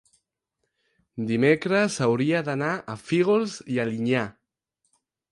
dimecres hauria d'anar a Fígols i Alinyà.